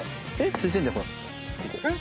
ついてんでほらえっ？